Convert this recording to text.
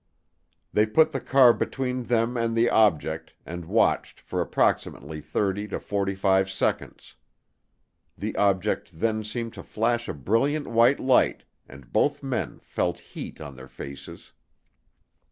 They put the car between them and the object and watched for approximately 30 to 45 seconds. The object then seemed to flash a brilliant white light and both men felt heat on their faces.